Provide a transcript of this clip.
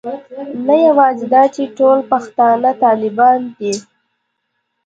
نه یوازې دا چې ټول پښتانه طالبان نه دي.